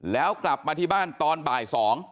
แล้วกลับมาที่บ้านตอนบ่าย๒